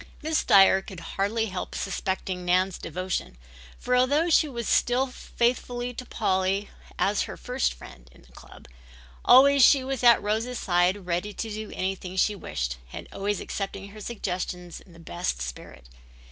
Miss Dyer could hardly help suspecting Nan's devotion, for although she was still faithful to Polly as her first friend in the club, always she was at Rose's side ready to do anything she wished, and always accepting her suggestions in the best spirit.